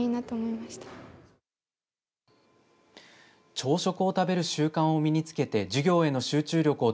朝食を食べる習慣を身につけて授業への集中力を